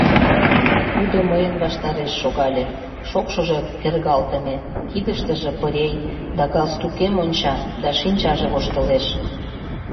Тудо мыйын ваштареш шогале, шокшыжо кергалтыме, кидыштыже пырей, да галстукем онча, да шинчаже воштылеш.